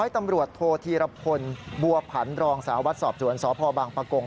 ๑๐๐ตำรวจโทธีรพลบวพันธ์รองศาวรัฐศอบจวัญสพประกง